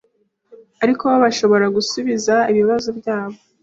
ariko bo bashobora gusubiza ibibazo byabo.